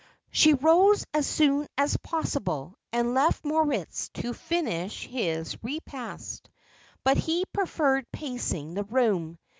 She rose as soon as possible, and left Moritz to finish his repast; but he preferred pacing the room.